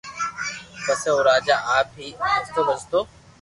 پسي او راجا آپ ھي ڀجتو ڀجتو